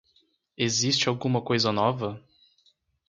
Existe alguma coisa nova?